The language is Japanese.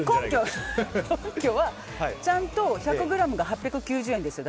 根拠は、ちゃんと１００ｇが８９０円ですよ。